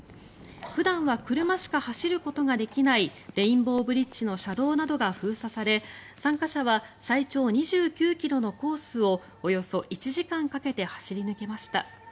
普段は車しか走ることができないレインボーブリッジの車道などが封鎖され参加者は最長２９ｋｍのコースをおよそ１時間かけて走り抜けました。